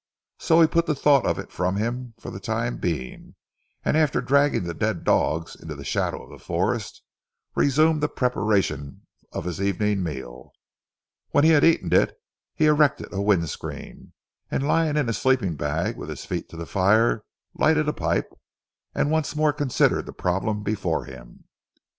So he put the thought of it from him for the time being, and after dragging the dead dogs into the shadow of the forest, resumed the preparation of his evening meal. When he had eaten it, he erected a wind screen, and lying in his sleeping bag, with his feet to the fire, lighted a pipe, and once more considered the problem before him.